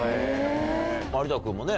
有田君もね